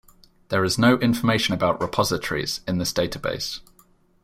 There is no information about repositories in this database.